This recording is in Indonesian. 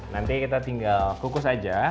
nanti kita tinggal kukus aja